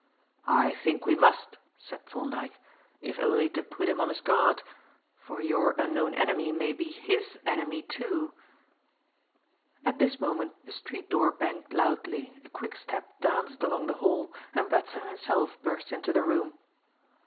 "I think we must," said Thorndyke, "if only to put him on his guard; for your unknown enemy may be his enemy, too." At this moment the street door banged loudly, a quick step danced along the hall, and Batson himself burst into the room.